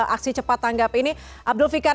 aksi cepat tanggap ini abdul fikar